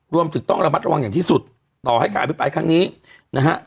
รวมถึงต้องระมัดระวังอย่างที่สุดต่อให้การอภิปรายครั้งนี้นะฮะ